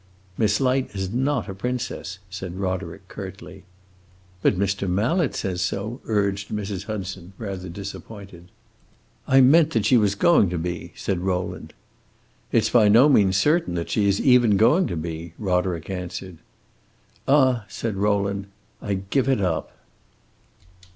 "Miss Light is not a princess!" said Roderick, curtly. "But Mr. Mallet says so," urged Mrs. Hudson, rather disappointed. "I meant that she was going to be!" said Rowland. "It 's by no means certain that she is even going to be!" Roderick answered. "Ah," said Rowland, "I give it up!"